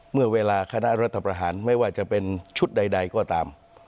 เมื่อเวลาคณะรัฐประหารไม่ว่าจะเป็นชุดใดก็ตาม